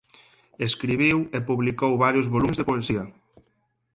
Escribiu e publicou varios volumes de poesía.